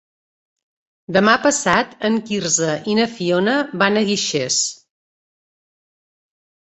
Demà passat en Quirze i na Fiona van a Guixers.